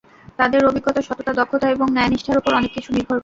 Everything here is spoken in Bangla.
তাঁদের অভিজ্ঞতা, সততা, দক্ষতা এবং ন্যায়নিষ্ঠার ওপর অনেক কিছু নির্ভর করে।